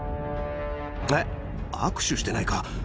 えっ握手してないか？